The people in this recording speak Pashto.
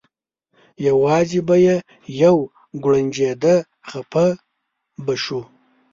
یوازې به یې یو کوړنجېده خپه به شو.